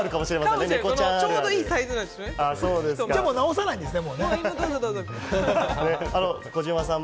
でももう直さないんですね。